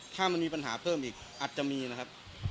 ถ้ามันมีปัญหาเพิ่มอีกอาจจะมีนะครับ